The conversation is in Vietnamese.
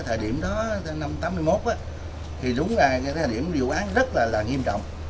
thì vấn đề xảy ra cái thời điểm đó năm tám mươi một á thì đúng là cái thời điểm vụ án rất là nghiêm trọng